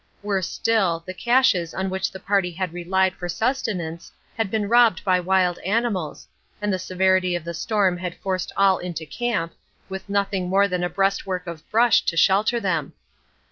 Worse still, the caches on which the party had relied for sustenance had been robbed by wild animals, and the severity of the storm had forced all into camp, with nothing more than a breastwork of brush to shelter them.